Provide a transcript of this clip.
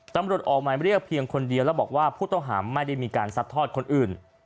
ตำรวจออกหมายเรียกเพียงคนเดียวแล้วบอกว่าผู้ต้องหาไม่ได้มีการซัดทอดคนอื่น